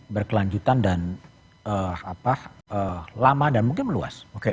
berkelanjutan dan lama dan mungkin meluas